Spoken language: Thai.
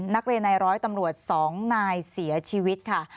นักเรียนในร้อยตำรวจ๒นายเสียชีวิตค่ะ